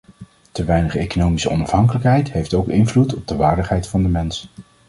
Te weinig economische onafhankelijkheid heeft ook invloed op de waardigheid van de mens.